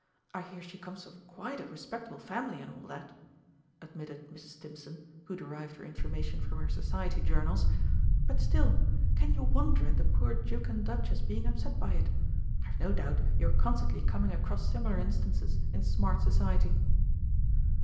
I hear she comes of quite a respectable family, and all that," admitted Mrs. Stimpson, who derived her information from her Society journals. "But still, can you wonder at the poor Duke and Duchess being upset by it? I've no doubt you are constantly coming across similar instances in Smart Society."